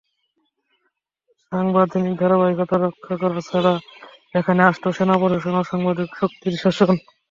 সাংবিধানিক ধারাবাহিকতা রক্ষা করা ছাড়া এখানে আসত সেনাশাসন, অসাংবিধানিক শক্তির শাসন।